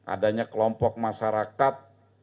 adanya kelompok masyarakat